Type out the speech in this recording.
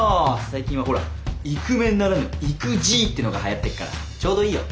最近はほらイクメンならぬ育じいってのがはやってるからちょうどいいよ。